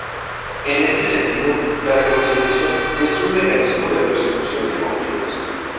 En este sentido, la reconciliación es un mecanismo de resolución de conflictos.